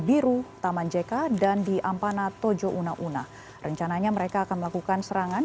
biru taman jk dan di ampana tojo una una rencananya mereka akan melakukan serangan